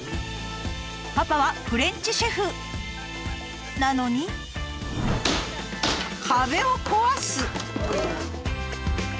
パパはフレンチシェフなのに壁を壊す。